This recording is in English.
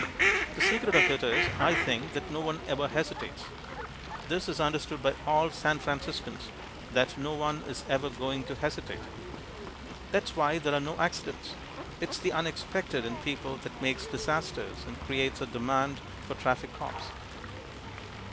The secret of it is, I think, that no one ever hesitates. This is understood by all San Franciscans that, no one is ever going to hesitate. That's why there are no accidents. It's the unexpected in people that makes disasters and creates a demand for traffic cops.